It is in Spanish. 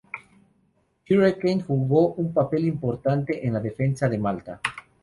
El Hurricane jugó un papel importante en la defensa de Malta.